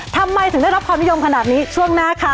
ทำไมถึงได้รับความนิยมขนาดนี้ช่วงหน้าค่ะ